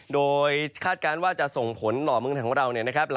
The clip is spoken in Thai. โดยคาดการณ์ว่าจะส่งผลต่อเมืองไทยของเราเนี่ยนะครับ